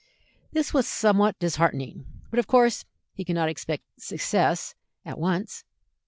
This was somewhat disheartening, but of course he could not expect success at once.